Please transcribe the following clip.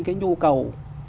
cái nhu cầu